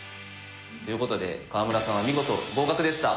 ということで川村さんは見事合格でした。